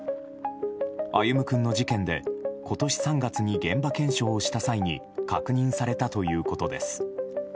歩夢君の事件で今年３月に現場検証をした際に確認されたということです。